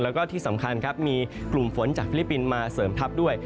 แล้วก็ที่สำคัญครับมีกลุ่มฝนจากฟิลิปปินส์มาเสริมทัพด้วย